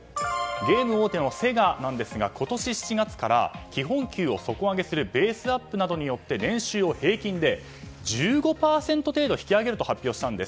ゲーム大手のセガなんですが今年７月から基本給を底上げするベースアップなどによって年収を平均で１５％程度引き上げると発表したんです。